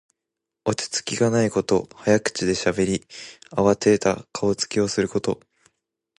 落ち着きがないこと。早口でしゃべり、あわてた顔つきをすること。